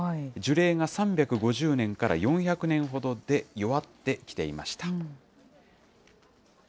樹齢が３５０年から４００年ほどで弱ってきていました。